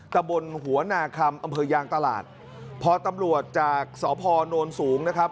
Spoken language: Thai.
กะบลหัวหนาคำอำเภยางตลาดพอตำรวจจากสอบภวร์โนนสูงนะครับ